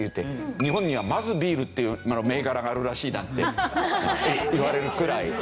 日本には「まずビール」っていう銘柄があるらしいなって言われるくらい。